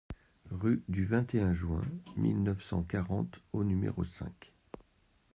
Rue du vingt et un Juin mille neuf cent quarante au numéro cinq